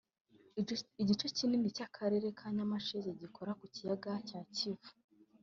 Igice kinini cy’Akarere ka Nyamasheke gikora ku kiyaga cya Kivu